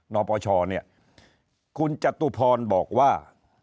นปชคุณจัตถุพรบอกว่า